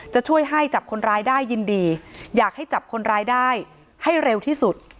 จะช่วยให้จับคนร้ายได้ยินดีอยากให้จับคนร้ายได้ให้เร็วที่สุด